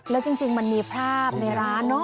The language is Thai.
แล้วจริงมันมีภาพในร้านเนอะ